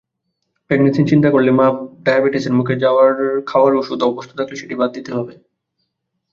প্রেগন্যান্সির চিন্তা করলে মা ডায়াবেটিসের মুখে খাওয়ার ওষুধে অভ্যস্ত থাকলে সেটি বাদ দিতে হবে।